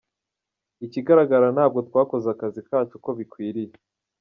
Ikigaragara ntabwo twakoze akazi kacu uko bikwiriye.